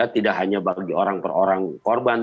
tidak hanya bagi orang per orang korban